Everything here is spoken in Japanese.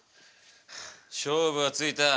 勝負はついた。